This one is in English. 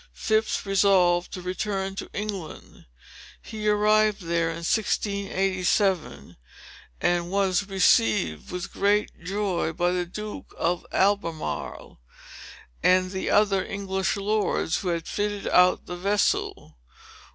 Phips resolved to return to England. He arrived there in 1687, and was received with great joy by the Duke of Albemarle and the other English lords, who had fitted out the vessel.